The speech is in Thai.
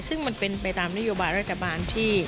ซึ่งมันเป็นไปตัวมุมค์นิยมรัฐบาล